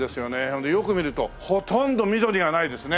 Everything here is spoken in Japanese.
それでよく見るとほとんど緑がないですね。